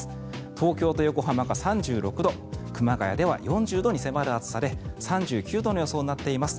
東京と横浜が３６度熊谷では４０度に迫る暑さで３９度の予想になっています。